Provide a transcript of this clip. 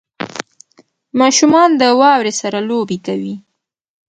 • ماشومان د واورې سره لوبې کوي.